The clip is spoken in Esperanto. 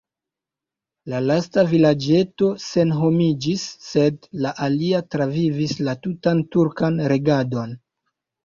La lasta vilaĝeto senhomiĝis, sed la alia travivis la tutan turkan regadon.